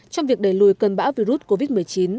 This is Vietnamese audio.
trong việc đẩy lùi cơn bão virus covid một mươi chín